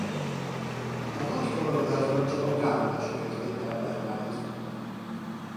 A nagy kavarodásban csak a gránátosok értek el Belgrádot.